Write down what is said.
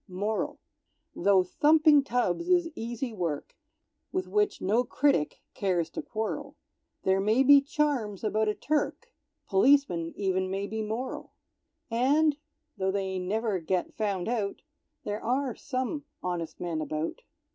MORAL. Tho' thumping tubs is easy work, With which no critic cares to quarrel, There may be charms about a Turk, Policemen even may be moral; And, tho' they never get found out, There are some honest men about.